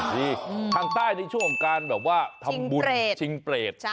นี่ทางใต้ในช่วงการแบบว่าทำบุญชิงเปรต